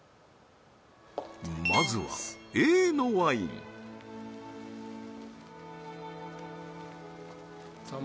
まずはＡのワインさあ